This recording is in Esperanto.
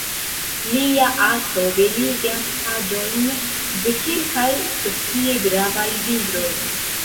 Lia arto beligas paĝojn de kelkaj socie gravaj libroj.